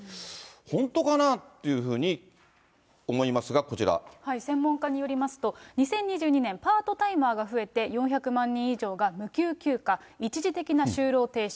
本当かなっていうふうに思います専門家によりますと、２０２２年、パートタイマーが増えて、４００万人以上が無給休暇、一時的な就労停止。